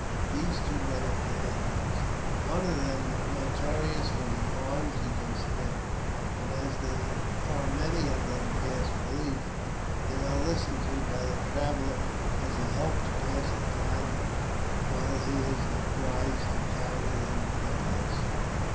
These two men are Canadians, one of them notorious for the "yarns" he can spin; but as they are many of them past belief, they are listened to by the traveler as a help to pass the time while he is obliged to tarry in the place.